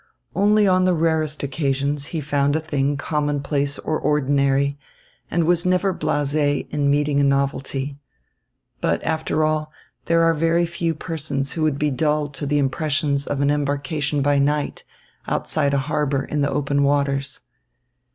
Only on the rarest occasions he found a thing commonplace or ordinary, and was never blasé in meeting a novelty. But, after all, there are very few persons who would be dull to the impressions of an embarkation by night, outside a harbour in the open waters.